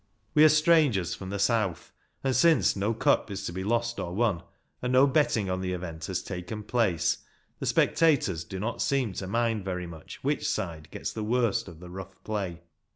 We are strangers from the South, and since no cup is to be lost or won, and no betting on the event has taken place, the spec tators do not seem to mind very much which side gets the worst of the rough play.